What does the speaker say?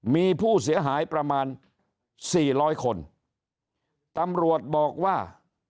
มีผู้เสียหายประมาณสี่ร้อยคนตำรวจบอกว่า